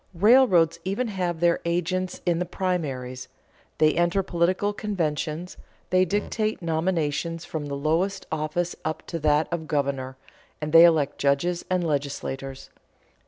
Railroads even have their agents in the primaries, they enter political conventions, they dictate nominations from the lowest office up to that of governor, and they elect judges and legislators.